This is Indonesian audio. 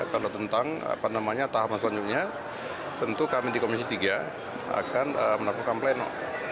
kalau tentang tahapan selanjutnya tentu kami di komisi tiga akan melakukan pleno